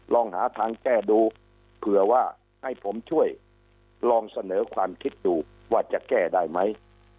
ลองหาทางแก้ดูเผื่อว่าให้ผมช่วยลองเสนอความคิดดูว่าจะแก้ได้ไหม